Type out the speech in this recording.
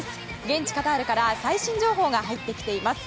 現地カタールから最新情報が入ってきています。